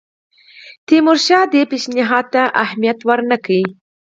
تیمورشاه دې پېشنهاد ته اهمیت ورنه کړ.